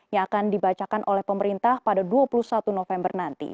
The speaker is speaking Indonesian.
yang akan dibacakan oleh pemerintah pada dua puluh satu november nanti